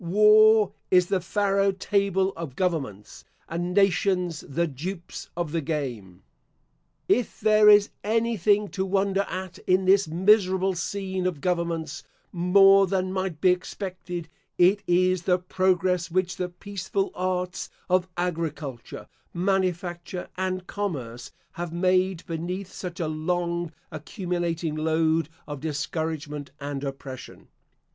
War is the Pharo table of governments, and nations the dupes of the game. If there is anything to wonder at in this miserable scene of governments more than might be expected, it is the progress which the peaceful arts of agriculture, manufacture and commerce have made beneath such a long accumulating load of discouragement and oppression.